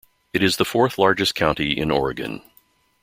It is the fourth-largest county in Oregon.